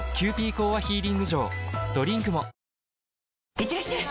いってらっしゃい！